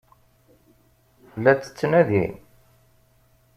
La tt-ttnadin?